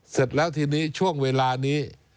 เสร็จแล้วทีนี้ช่วงเวลานี้